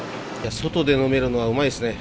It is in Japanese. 外で飲めるのはうまいっすね。